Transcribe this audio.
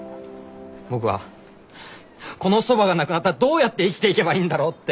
僕はこのそばがなくなったらどうやって生きていけばいいんだろうって！